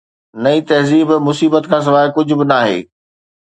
نئين تهذيب مصيبت کان سواءِ ڪجهه به ناهي